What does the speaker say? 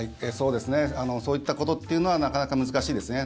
そういったことというのはなかなか難しいですね。